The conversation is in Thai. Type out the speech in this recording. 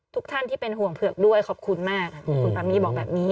ทุกท่านที่เป็นห่วงเผือกด้วยขอบคุณมากคุณปามี่บอกแบบนี้